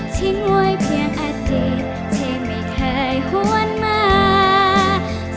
ทิ้งไว้เพียงอดีตที่ไม่เคยหวนมา